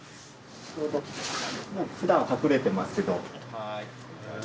ふだんは隠れてますけど。